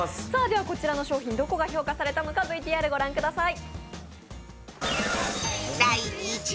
こちらの商品、どこが評価されたのか、ＶＴＲ御覧ください。